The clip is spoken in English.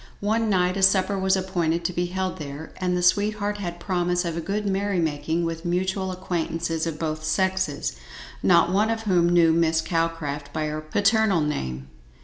One night a supper was appointed to be held there, and the sweetheart had promise of a good merry making with mutual acquaintances of both sexes, not one of whom knew Miss Calcraft by her paternal name.